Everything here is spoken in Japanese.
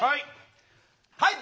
はい。